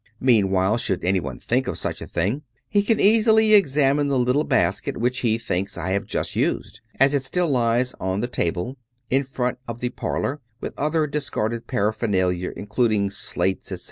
Meanwhile, should anyone think of such a thing, he can easily examine the little basket, which he thinks I have just used; as it still lies on the table in the front par lor with other discarded paraphernalia, including slates, etc.